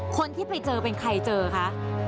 คนที่ไปเจอเป็นใครเจอคะ